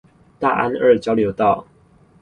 大安二交流道